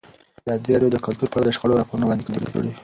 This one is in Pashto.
ازادي راډیو د کلتور په اړه د شخړو راپورونه وړاندې کړي.